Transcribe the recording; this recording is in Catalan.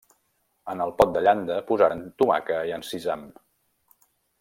En el pot de llanda posaren tomaca i encisam.